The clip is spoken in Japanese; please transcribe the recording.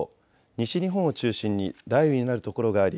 西日本を中心に雷雨になる所があり